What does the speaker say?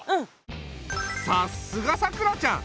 さすがさくらちゃん。